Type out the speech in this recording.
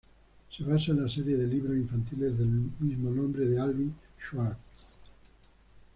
Se basa en la serie de libros infantiles del mismo nombre de Alvin Schwartz.